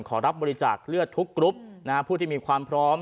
ขอรับบริจาคเลือดทุกกรุ๊ปผู้ที่มีความพร้อม